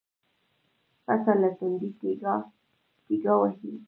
پسه له تندې تيګا وهي.